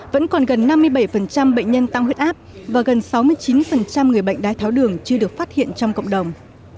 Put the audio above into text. vẫn còn gần năm mươi bảy bệnh nhân tăng huyết áp và gần sáu mươi chín người bệnh đái tháo đường chưa được phát hiện trong cộng đồng